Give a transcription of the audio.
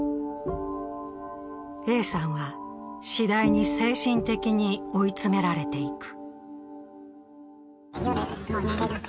Ａさんは次第に精神的に追い詰められていく。